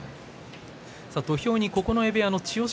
土俵に九重部屋の千代翔